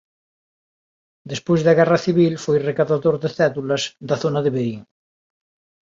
Despois da Guerra civil foi recadador de cédulas da zona de Verín.